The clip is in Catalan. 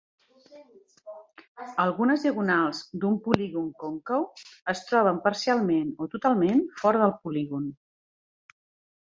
Algunes diagonals d'un polígon còncau es troben parcialment o totalment fora del polígon.